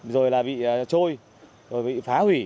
rồi là bị trôi rồi bị phá hủy